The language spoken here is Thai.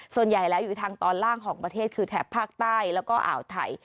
ส่วนใหญ่แล้วอยู่ทางตอนล่างของประเทศคือแถบภาคใต้แล้วก็อ่าวไทย